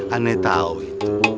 aneh tau itu